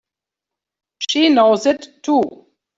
She knows it too!